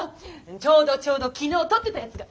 ちょうどちょうど昨日録ってたやつが。